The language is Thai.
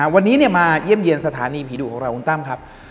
วันนี้มาเยี่ยมเยี่ยมสถานีผีดุของเราคุณตั้มครับ